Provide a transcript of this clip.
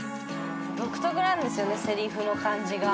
「独特なんですよねセリフの感じが」